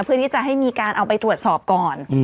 เพื่อที่จะให้มีการเอาไปตรวจสอบก่อน